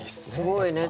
すごいね。